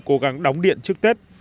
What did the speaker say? cố gắng đóng điện trước tết